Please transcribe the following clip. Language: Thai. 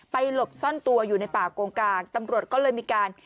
หลบซ่อนตัวอยู่ในป่ากงกลางตำรวจก็เลยมีการ